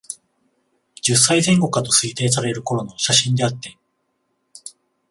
十歳前後かと推定される頃の写真であって、